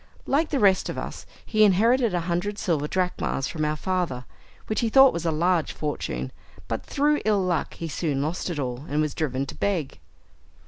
Like the rest of us, he inherited a hundred silver drachmas from our father, which he thought was a large fortune, but through ill luck, he soon lost it all, and was driven to beg.